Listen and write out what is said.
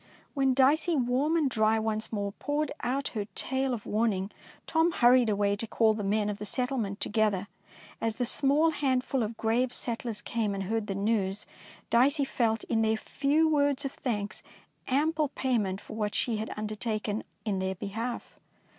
When Dicey, warm and dry once more, poured out her tale of warning, Tom hurried away to call the men of the settlement together. As the 256 DICEY LANGSTON small handful of grave settlers came and heard the news, Dicey felt in their few words of thanks ample pay ment for what she had undertaken in their behalf.